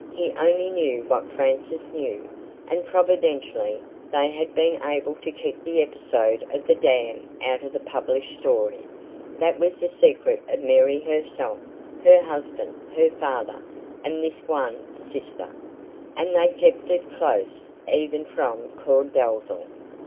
He only knew what Frances knew, and providentially they had been able to keep the episode of the dam out of the published story. That was the secret of Mary herself, her husband, her father, and this one sister; and they kept it close, even from Claud Dalzell.